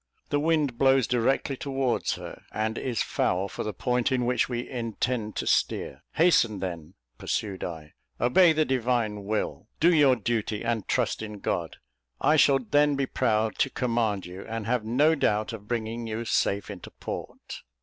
The wind blows directly towards her, and is foul for the point in which we intend to steer; hasten, then," pursued I, "obey the Divine will; do your duty, and trust in God. I shall then be proud to command you, and have no doubt of bringing you safe into port."